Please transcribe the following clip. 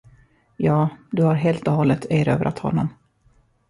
Ja, du har helt och hållet erövrat honom.